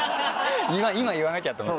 今言わなきゃと思って。